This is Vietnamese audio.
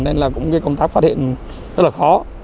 nên là cũng công tác phát hiện rất là khó